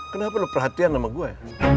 kenapa lo perhatian sama gue